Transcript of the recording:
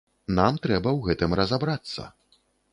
Нам трэба ў гэтым разабрацца.